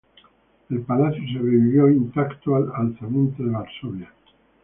El palacio sobrevivió intacto al Alzamiento de Varsovia.